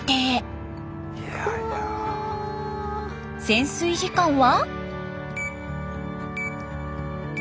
潜水時間は。